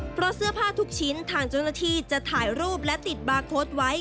เพราะเสื้อผ้าทุกชิ้นทางเจ้าหน้าที่จะถ่ายรูปและติดบาร์โค้ดไว้